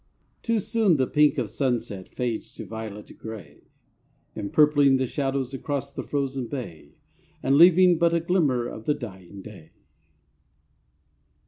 Too soon the pink of sunset Fades to violet gray, Empurpling the shadows Across the frozen bay, And leaving but a glimmer Of the dying day.